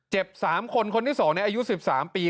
เจ็บ๓คนคนที่๒เนี่ยอายุ๑๓ปี